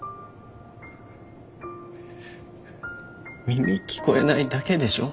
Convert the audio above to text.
耳聞こえないだけでしょ？